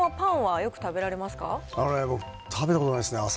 僕ね、食べたことないです、朝。